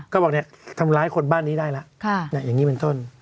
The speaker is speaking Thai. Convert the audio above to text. ก็บอกทำร้ายคนบ้านนี้ได้แล้วอย่างนี้เป็นต้น